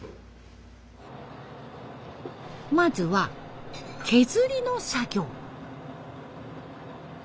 まずは削りの作業。